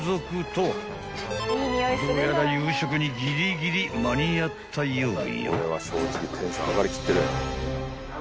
［どうやら夕食にギリギリ間に合ったようよ］